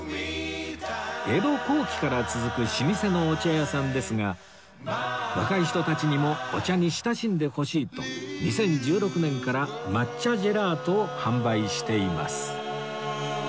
江戸後期から続く老舗のお茶屋さんですが若い人たちにもお茶に親しんでほしいと２０１６年から抹茶ジェラートを販売しています